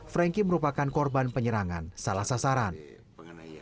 frankie merupakan korban penyerangan salah sasaran